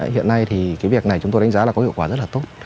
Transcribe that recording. hiện nay thì cái việc này chúng tôi đánh giá là có hiệu quả rất là tốt